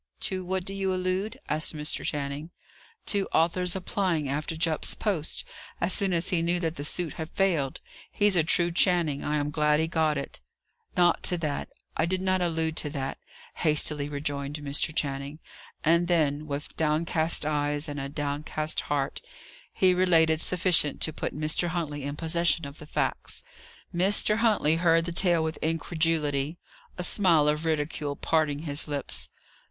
To what do you allude?" asked Mr. Channing. "To Arthur's applying after Jupp's post, as soon as he knew that the suit had failed. He's a true Channing. I am glad he got it." "Not to that I did not allude to that," hastily rejoined Mr. Channing. And then, with downcast eyes, and a downcast heart, he related sufficient to put Mr. Huntley in possession of the facts. Mr. Huntley heard the tale with incredulity, a smile of ridicule parting his lips.